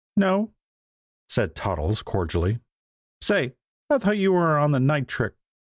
"No," said Toddles cordially. "Say, I thought you were on the night trick."